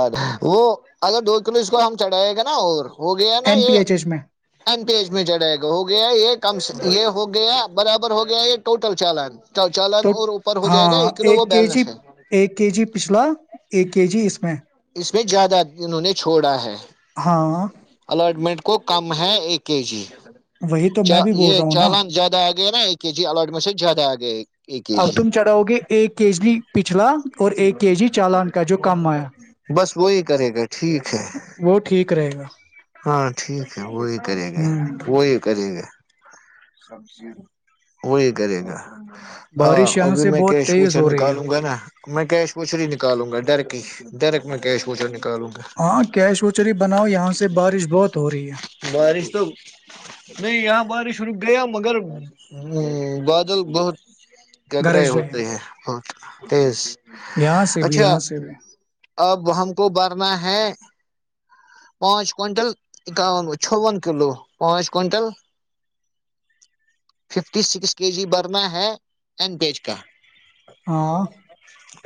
ا وہ اگر دو کلو اس کو ہم چڑھائے گا نا اور ہو گیا نا این یہ پی ایچ ایچ میں ایین پی ایچ میں چے ہو گیا یہ کم یہ ہو گیا برابر ہو گیا یہ ٹوٹل چالان چالان تو اور اوپر ہو جائے گا ہاں کلو ایک وہ کے جی بیلنس ہے ایک کے جی پچھلا ایک کے جی اس کا میں اس میں زیادہ انہوں نے چھوڑا ہے ہاں الٹمنٹ کو کم ہے ایک کے جی وہی تو میں بھی بول یہ رہا ہوں نا چالان زیادہ آ گیا نا اکے کےے جی آلٹمینٹ س زیادہ آ گے اے کےے اب جی تم چڑھاؤ گے ایک کے جی پچھلا اور ایک کے جی چالان کا جو کم آیا بس وہی کرے گا ٹھیک ہے وہ ٹھیک رہے گا ہاں ٹھیک ہے وہ ایک کریں گے ہوں وہی کریں گے وہی کرے گا ہاں بارش یہاں ابھی سے میں بہت کیش تیز پوچر ہو رہی ہے نکالوں گا نا میں کیش پوچر ہی نکالوں گا ڈر کی ہی ڈر میں کیش پوچا گی الوں گا ہاں کیش وچری بناؤ یہاں سے بارش بہت ہو رہی ہے بارش تو نہیں یہاں بارش شر گیا مگر بادل بہت گگرے گرج رہی ہوتے ہے ہیں بہت تیز یہاں سے بھی اچھا یہاں سے بھی ہم کو برنا ہے پانچ کوئنٹل اکاون چوون کلو پانچ quintal fifty six K G برنا ہے ا پیچ کا ہاں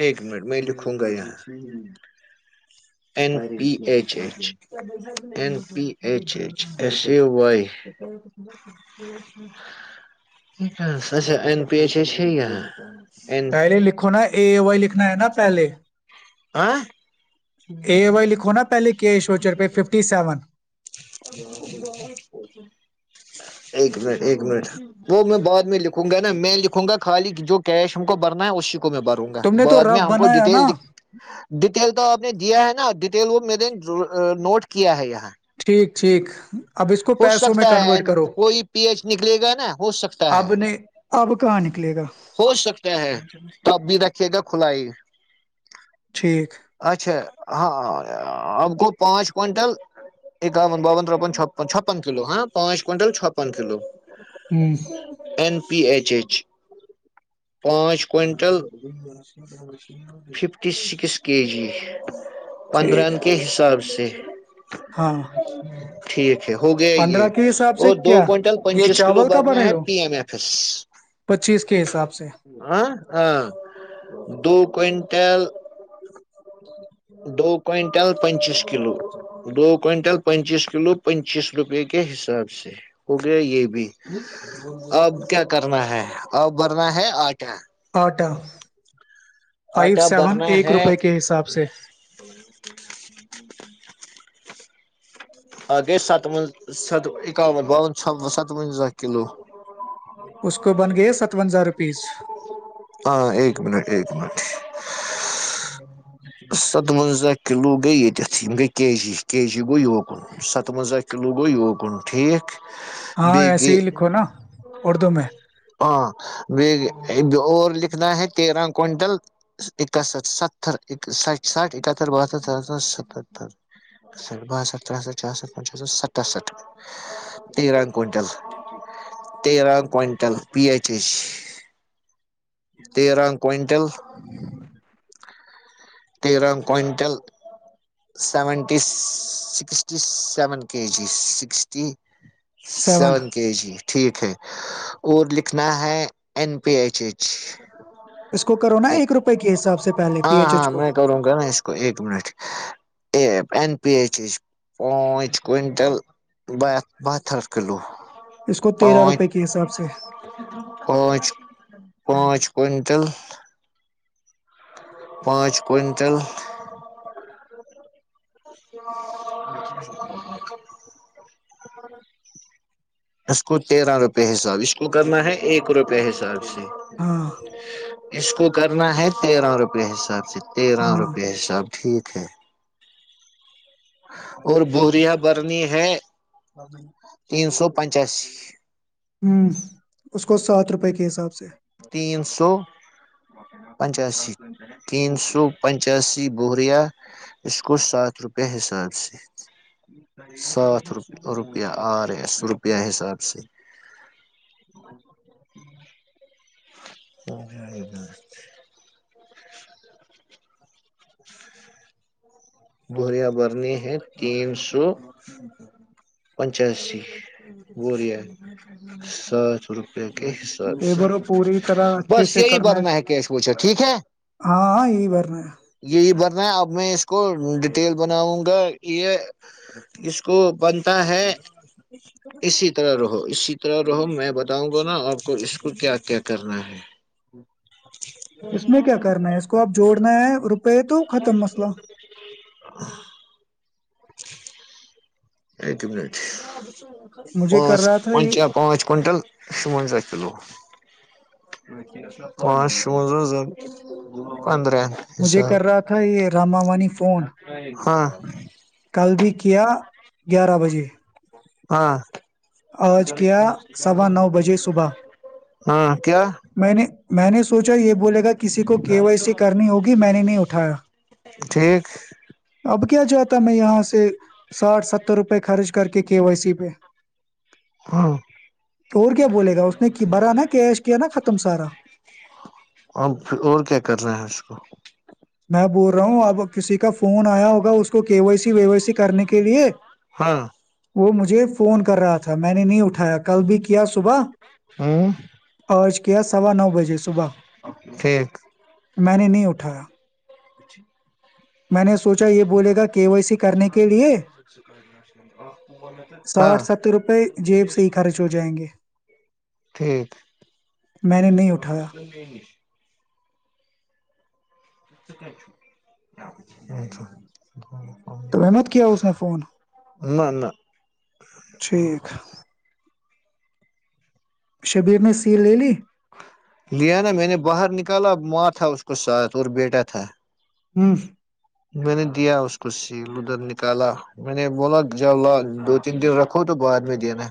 ایک منٹ میں لکھوں گا یہاں E P H H P H H S ا وائیا پی ایچ ایچ ہے یا پہلے لکھو نا اے وائی لکھو نا ہے نا پہلے آ [unintelligible] اےے وائی لکھو نا پہلے کی ایشوچر پہ ففٹی سیون ایک منٹ ایک منٹ وہ میں بعد میں لکھوں گا نا میں لکھوں گا خالی جو کیش ہم کو بھرنا ہے اسی میں بھروں گا تم نے تو بعد میں رف ہم کو بنایا نا ڈیٹیل ڈیٹیل تو آپ نے دیا ہے نا ڈیٹیل وہ میں نے نوٹ کیا ہے یہاں ٹھیک ٹھیک اب اس کو ہو پیسوں میں سکتا ہے کنورٹ کرو کوئی پی ایچ نکلے گا نا ہو سکتا ہے اب نے اب کہاں نکلے گا ہو سکتا ہے تب بھی رکے گا کھلا ہی ٹھیک اچھا ہاںاں آپ کو پانچ کونٹل ایک دون باون روپن چھپنپھپن کلو ہاں پانچ کئنٹل چھپن کلو ہوں این پی ایچ ایچ پانچ quintal fifty six K G ٹھیک پندرہن کے حساب سے ت ہاں ٹھیک ہو گیا پندرہ یہ کے حساب سے اور دو کیا کوئنٹل یہ پچیس کلو چاول کا برنا بنے ہے ہو پی ایم ایف ایس پچیس کے حساب سے ہ ہ دو کوئنٹ تیل دونٹل پچیس کلو دونٹل پنچیس کلو پنچیس روپے کے حساب سے اوکیا یہ بھی آب کیا کرنا ہے آب بھرنا ہے آٹا آٹ [unintelligible] فائیو آٹا سیون بھرنا ایک ہے روپے کے حساب سے آ گئے ساتو س اکامت ب سات وزہ کلو اس کو بن گیا ستوزہ روپیز ہاں ایک منٹ ایک منٹ ساتونزاہ کلو گے یتھ ہم گے کےے جی کےے جی گوو وکن ساتوزاہ کلو گوو وکن ٹھیک ہاں ایسے ہی لکھو نا اردو میں ہاں اور لکھنا ہے تیرا کونٹل دن کا ہے سٹ ساٹ اکہتر ب ستر ستتر س س ستاسٹھ تیران کوئنٹل تیران کوئنٹل پچیج تیران کوئنٹل تیرانگ quintal seventy sixty seven K G sixty seven K G ٹھیک ہے اور لکھنا ہے این پی ایچ ایچ اس کو کرو نا ایک روپئے کے حساب سے پہلے پی ہاں ایچ ایچ ہاں کو میں کروں کو ایک ایک منٹ ا این پی ایچ ایچ پانچ کونٹل بہ بہت ہر کلو اس کو تیرہ پانچ روپے کے حساب سے پانچ پانچ کئنٹل پانچ کئنٹل [inaudible] اس کو تیرہ روپئے حساب اس کو کرنا ہے ایک روپئے حساب سے ہاں اس کو کرنا ہے تیرہ روپئے حساب سے تیرہ ہاں روپئے ح سب ٹھیک ہے اور بوریا برنی ہے تین سو پنچاسی ہوں اس کو سات روپے کے حساب سے تین سو پچاسی تین سو پچاسی بوریا اس کو سات روپے حساب سے سات روپ روپیہ آرےس روپیہ حساب سے مجائےا بوریا برنی ہے تین سو پچاسی بوریا سات روپئے حساب لیبر کو پوری طرح اچھے بس سے یہی کرنا ورنہ اس ہے کہ پوچھا ٹھیک ہے کو۔ ہاں ہاں یہی بھرنا ہے یہی ورننا اب میں اسک ڈیٹیل بناؤں گا یہ اس کو بنتا ہے اسی طرح رہو اسی طرح رہو میں بتاؤں گا نا آپ کو اس کو کیا کیا کرنا ہے اس میں کیا کرنا ہے اس کو آپ جوڑنا ہے روپئے تو ختم مسئلہ [inaudible] ا تو بھی نہیں مجھے کر پانچ رہا تھا پانچ یہ پانچ کینٹل شوزہ کلو پانچ شزہ ز پندرہ مجھے حساب کر رہا تھا یہ راما وانی فون ہاں اللبکیہ گیارہ بجے ہاں آج کیا سوا نو بجے صبح ہاں کیا میں نے میں نے سوچا یہ ب بولے گا کسی کو کی وائی سی کرنی ہوگی میں نے نہیں اٹھایا ٹھیک اب کیا کیا جاتا میں یہاں سے ساٹھ ستر روپئے خرچ کر کے کے وائی سی پہ ہاں اور کیا بولے گا اس نے کی- بھرا نا کیش کیا نا ختم سارا اھر اور کیا کر رہے ہیں اس کو میں بول رہا ہوں اب کسی کا فون آیا ہوگا اس کو K Y C V Y C کرنے کے لیے ہاں وہ مجھے فون کر رہا تھا میں نے نہیں اٹھایا کل بھی کیا صبح ہوں چ کیا سوا نو بجے صبح ٹھیک میں نے نہیں اٹھایا میں نے سوچا یہ بولے گا کے وائی سی کرنے کے لیے ہاں ساٹھ ستر روپے جیب سے ہی خرچ ہو جائیں گے ٹھیک میں نے نہیں اٹھایا ا [unintelligible] تو وہ مت کی اس نے فون نہ نہ ٹھیک شبیر نے سیل لے لی لانا میں نے باہر نکالا ماں تھا اس کو ساتھ اور بیٹا تھا ہوں میں نے دیا اس کو سیل ادھر نکالا میں نے بولا جب ل دو تین دن رکھو تو بعد میں دینا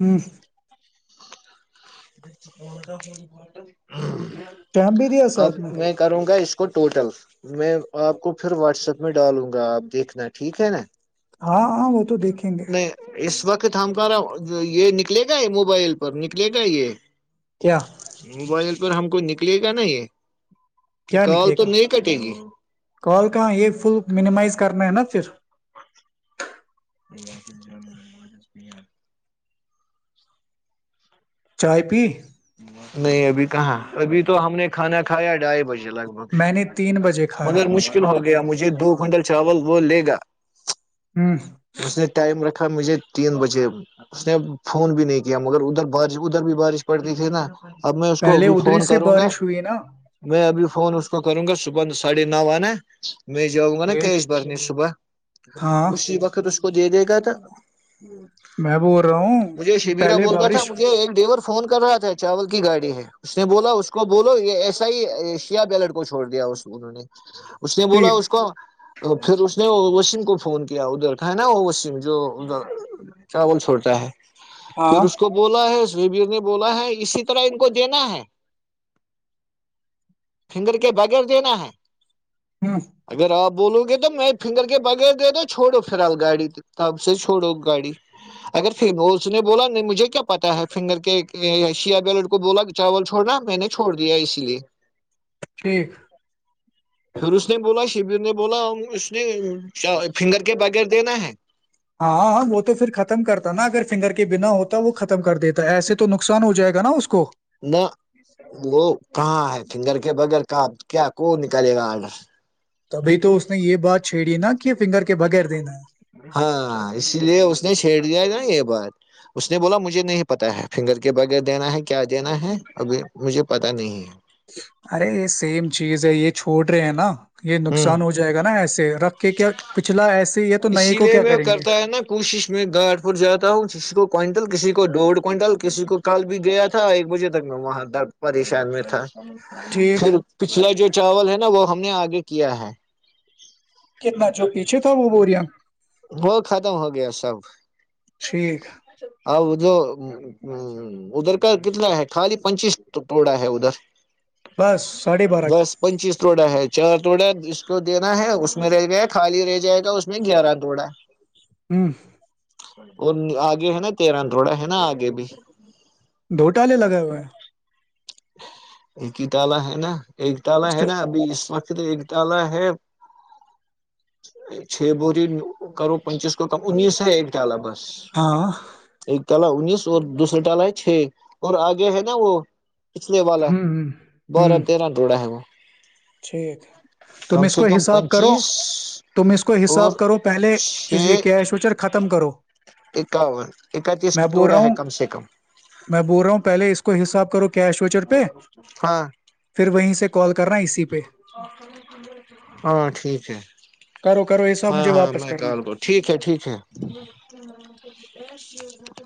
ہوں [unintelligible] ٹم بھی دیا اب ساتھ میں کروں گا اس کو ٹوٹل میں آپ کو پھر واٹسپ میں ڈالوں گا آپ دیکھنا ٹھیک ہے نا ہاں ہاں وہ تو دیکھیں گے تھامک رہا یہ نکلے گا یہ موبائل پر نکلے گا کہے کیا مبائل ہم کو نکلے گا نا یہ کہ کیا کال نکلے تو گا نہیں کٹے گی کال کہاں یہ فل منیمائز کرنا ہے نا پھر ار [unintelligible] چائے پ نہیں ابھی کہاں ابھی تو ہم نے کھانا کھایا ڈھائی بجے ل ب میں نے تین بجے کھایا مگر مشکل ہوگ مجھے دو کنٹل چاول وہ لے گا ہوں مسھ نے ٹائم رکھ مجھے تین بجے اس نے فون بھی نہیں کیا مگر ادھر بارش ادھر بھی بارش پڑتی تھی نا اب میں اس کو پہلے ابھی ادھری فون سے کروں گا بارش ہوئی نا میں ابھی فون اس کو کروں گا صبح ساڑھے نو آنا میں جاؤں گا نا ایک کیش بھرنے صبح ہاں اسی وقت اس اس کو دے دے گا تو میں بول رہا ہوں مجھے شبرا پہلے بولتا تھا بارش مجھے ایک ڈیور کر رہا تھا چاول کی گاڑی ہے اس نے بولا اس کو بولو یہ ایسا ہی ایشیا بیلٹ کو چھوڑ دیا انہوں نے اس نے بولا ٹھیک اس کو پھر وشم کو فون کیا ادھر کا ہے نا وہ وشم جو ادھر چاول چھوٹا ہے پھر ہاں اس کو بولا ہے نے بولا ہے اسی طرح ان کو دینا ہے فگر کے بغیر دینا ہے ہ اگر آپ بولو گے تو میں فنگر کے بغیر دے دو چھوڑو فیحال گاڑی تب سے چھوڑو گاڑی اگر اس نے بولا نہیں مجھے کیا پتا ہے فنگر کے شیا بیلٹ کو بولا چاول چھوڑنا میں نے چھوڑ دیا اسی لیے ٹھیک پھر اس نے بولا ش نے بولا اس نے فنگر کے بغیر دینا ہے ہاں وہ تو پھر ختم کرتا نا اگر فنگر کے بنا ہوتا وہ ختم کر دیتا ایسے تو نقصان ہو جائے گا نا اس کو نہ وہ کہاں ہے فنگر کے بغیر کا کیا کو نکالے گا آرڈر تبھی تو اس نے یہ بات چھیڑی نا کہ فنگر کے بغیر دینا ہے ہاں اسی لیے اس نے چھیڑ دیا تھا یہ بات اس نے بولا مجھے نہیں پتا ہے فنگر کے بغیر دینا ہے کیا دینا ہے ابھی مجھے پتا نہیں ہے ارے یہ سیم چیز ہے یہ چھوڑ رہے ہیں نا یہ ہوں نقصان ہو جائے گا نا ایسے رکھ کے کیا پچھلا ایسے یہ تو نئے اسی کو لیے کیا میں کریں گے کرتا ہے نا کوشش میں گاٹ پور جاتا ہوں کسی کو کوئنٹل کسی کو ڈھ کونٹل کسی کو کل بھی گیا تھا ایک بجے تک میں وہاں درد پریشان میں تھا ٹھیک پھر پچھلے جوی چاول ہے نا وہ ہم نے آگے کیا ہے کتنا جو پیچھے تھا وہ بوریا وہ ختم ہو گیا سب ٹھیک اب جو ادھر کا کتنا ہے خالی پچیس ٹوڑا ہے ادھر بس ساڑھے بارہ بس پنچیس روڈا ہے چار تووڑا جس کو دینا ہے اس میں رہ گیا ہے خالی رہ جائے گا اس میں گیارہ بڑا ہوں وہ آگے ہے نا تیرہ تھوڑا ہے نا آگے بھی ڈھوٹالے لگائے ہوئے ہیں ایک ہی تالا ہے نا ایکٹال ہے اچھا، نا ابھی اس وقت ایک تال ہے چھ بوروری کرو پچیس کو کم انیس ہے ایک تال بس ہاں ال انیس اور دوسرا ٹالا ہے چھ اور آگے ہے نا وہ پچھلے والا ہوں ہوں بارہ ہوں تیرہ روڑا ہے وہ ٹھیک تم کم اس سے کو کم حساب کرو پچیس تم اس کو اور حساب کرو پہلے یہ چھ کیش وچر ختم کرو اکاون اکتیس میں بول رہا توڑا ہے ہوں کم سے کم میں بول رہا ہوں پہلے اس کو حساب کرو کیش ویچر پہ ہاں پھر وہیں سے کال کر رہناا اسی پہ ہاں ٹھیک ہے کرو کرو حساب ہاں مجھے ہاں واپس میں کرنا کال کو ٹھیک ہے ٹھیک ہے [unintelligible]